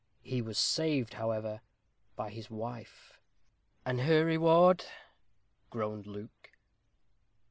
He was saved, however, by his wife." "And her reward " groaned Luke.